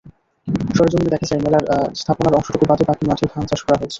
সরেজমিনে দেখা যায়, মেলার স্থাপনার অংশটুকু বাদে বাকি মাঠে ধান চাষ করা হয়েছে।